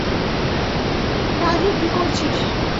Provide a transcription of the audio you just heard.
রাধে, কি করছিস?